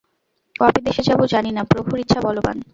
কবে দেশে যাব জানি না, প্রভুর ইচ্ছা বলবান্।